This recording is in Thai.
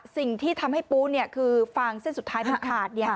สิ่งที่ทำให้ปูคือฟางเส้นสุดท้ายมันขาด